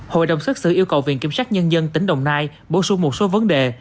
hội đồng xét xử yêu cầu viện kiểm sát nhân dân tỉnh đồng nai bổ sung một số vấn đề